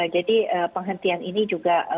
jadi penghentian ini juga